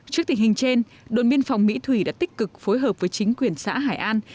trước tình hình trên đồn biên phòng mỹ thủy đã tích cực phối hợp với chính quyền xã hải an